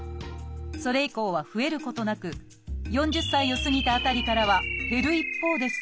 それ以降は増えることなく４０歳を過ぎた辺りからは減る一方です。